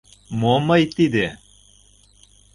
«Мо мый тиде?